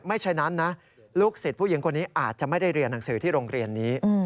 ฉะนั้นนะลูกศิษย์ผู้หญิงคนนี้อาจจะไม่ได้เรียนหนังสือที่โรงเรียนนี้